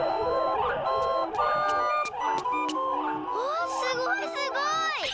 うわすごいすごい！